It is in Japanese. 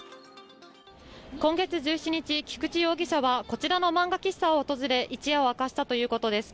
今月１７日菊池容疑者はこちらの漫画喫茶を訪れ一夜を明かしたということです。